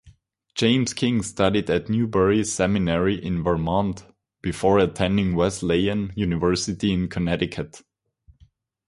James King studied at Newbury Seminary in Vermont before attending Wesleyan University in Connecticut.